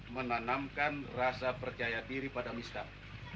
menanamkan rasa percaya diri pada miskal